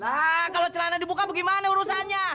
nah kalau celana dibuka bagaimana urusannya